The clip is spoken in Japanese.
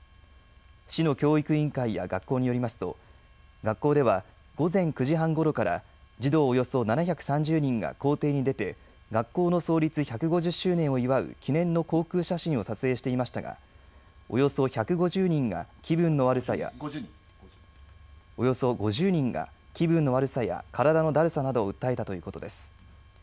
市の教育委員会や学校によりますと学校では午前９時半ごろから児童およそ７３０人が校庭に出て学校の創立１５０周年を祝う記念の航空写真を撮影していましたが、およそ５０人が気分の悪さや体のだるさなどを訴えたということです。